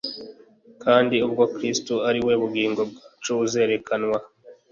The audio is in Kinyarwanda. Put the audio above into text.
« Kandi ubwo Kristo ari we bugingo bwacu azerekanwa,